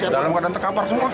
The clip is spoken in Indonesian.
dalam keadaan terkapar semua